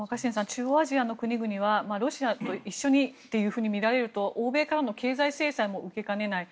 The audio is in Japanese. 中央アジアの国々はロシアと一緒にというふうに見られると欧米からの経済制裁も受けかねない。